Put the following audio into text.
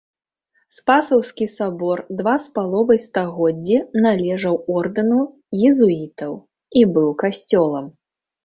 Спасаўскі сабор два з паловай стагоддзі належаў ордэну езуітаў і быў касцёлам.